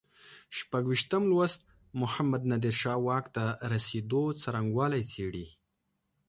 شپږویشتم لوست محمد نادر شاه واک ته رسېدو څرنګوالی څېړي.